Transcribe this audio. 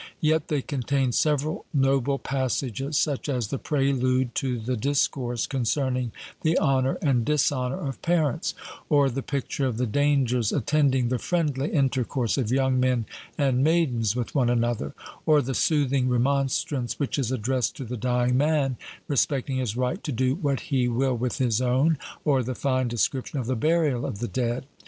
Yet they contain several noble passages, such as the 'prelude to the discourse concerning the honour and dishonour of parents,' or the picture of the dangers attending the 'friendly intercourse of young men and maidens with one another,' or the soothing remonstrance which is addressed to the dying man respecting his right to do what he will with his own, or the fine description of the burial of the dead.